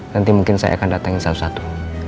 nanti mungkin saya akan datangin satu satu